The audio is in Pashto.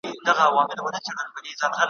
مستانه باندي ورتللو `